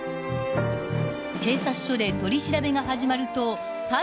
［警察署で取り調べが始まると態度が一変］